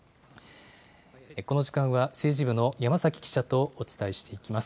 この時間は政治部の山崎記者とお伝えしていきます。